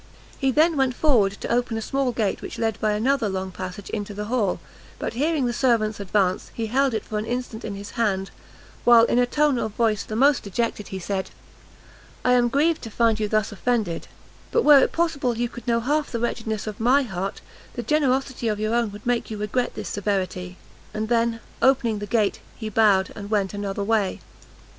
He then went forward to open a small gate which led by another long passage into the hall; but hearing the servants advance, he held it for an instant in his hand, while, in a tone of voice the most dejected, he said "I am grieved to find you thus offended; but were it possible you could know half the wretchedness of my heart, the generosity of your own would make you regret this severity!" and then, opening the gate, he bowed, and went another way.